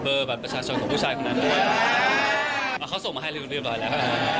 บัตรประชาชนของผู้ชายคนนั้นเขาส่งมาให้เรียบร้อยแล้ว